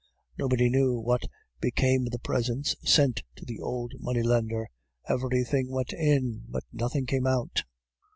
Nobody knew what became of the presents sent to the old money lender. Everything went in, but nothing came out.